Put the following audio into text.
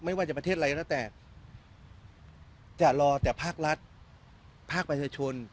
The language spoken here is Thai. ไม่ว่าจะประเทศอะไรก็แล้วแต่จะรอแต่ภาครัฐภาคประชาชน